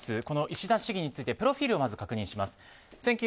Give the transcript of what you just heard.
この石田市議についてプロフィールをまず確認します。